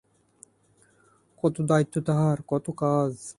কত দায়িত্ব তাহার, কত কাজ।